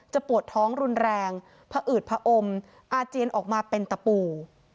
ปวดท้องรุนแรงผอืดผอมอาเจียนออกมาเป็นตะปู